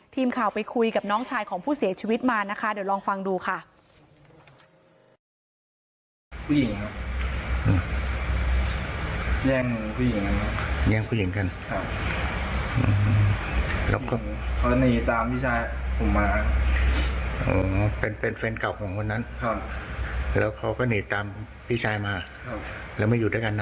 ทีมข่าวไปคุยกับน้องชายของผู้เสียชีวิตมานะคะเดี๋ยวลองฟังดูค่ะ